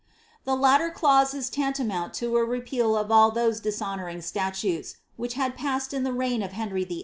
The latter clause is tantamount to a repeal of all those dishonouring statutes, which had passed in the reign of Henry Vlll.